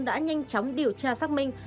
đã nhanh chóng điều tra xác minh